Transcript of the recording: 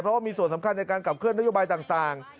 เพราะมีส่วนสำคัญในการกลับเคลื่อนเท่าไอบายต่าง